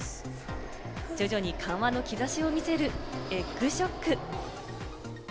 徐々に緩和の兆しを見せるエッグショック。